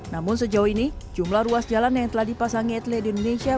namun sejauh ini jumlah ruas jalan yang telah dipasangi etle di indonesia